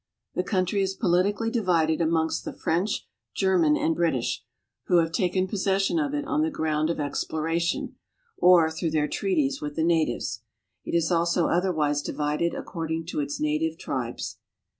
The country is politically diiided amongst the French, German, and British, who have taken possession of it on the ground of exploration, or through their treaties with the natives. It is also otherwise divided according to its native tribes.